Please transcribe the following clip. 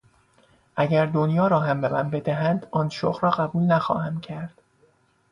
اگر دنیا را هم به من بدهند آن شغل را قبول نخواهم کرد.